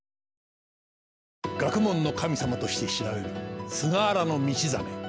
学問の神様として知られる菅原道真。